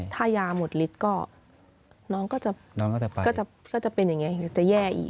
ถ้ายาหมดฤทธิ์ก็น้องก็จะเป็นอย่างนี้จะแย่อีก